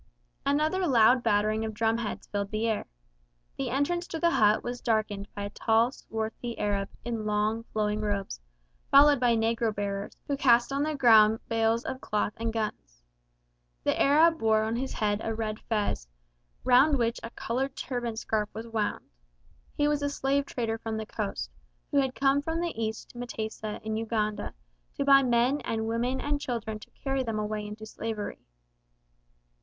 Another loud battering of drum heads filled the air. The entrance to the hut was darkened by a tall, swarthy Arab in long, flowing robes, followed by negro bearers, who cast on the ground bales of cloth and guns. The Arab wore on his head a red fez, round which a coloured turban scarf was wound. He was a slave trader from the coast, who had come from the East to M'tesa in Uganda to buy men and women and children to carry them away into slavery.